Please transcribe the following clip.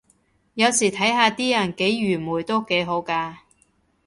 有時睇下啲人幾愚昧都幾好咖